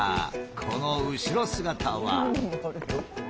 この後ろ姿は。